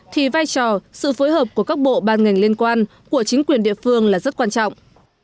thì vai trò sự phối hợp của các bộ ban ngành liên quan của chính quyền địa phương là rất quan trọng